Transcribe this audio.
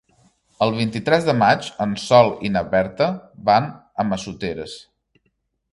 El vint-i-tres de maig en Sol i na Berta van a Massoteres.